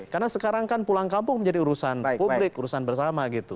karena sekarang kan pulang kampung menjadi urusan publik urusan bersama gitu